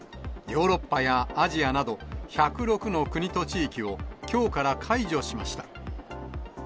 ヨーロッパやアジアなど、１０６の国と地域を、きょうから解除しました。